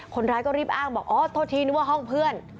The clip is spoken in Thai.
คนร้ายก็รีบอ้างบอกอ๋อโทษทีนึกว่าห้องเพื่อน